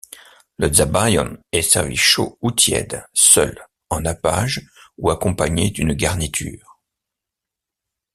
Le sabayon est servi chaud ou tiède, seul, en nappage ou accompagné d'une garniture.